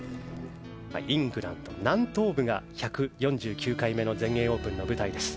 イングランド南東部が１４９回目の全英オープンの舞台です。